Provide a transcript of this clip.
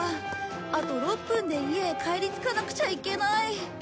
あと６分で家へ帰り着かなくちゃいけない。